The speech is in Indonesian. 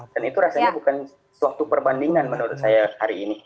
dan itu rasanya bukan suatu perbandingan menurut saya hari ini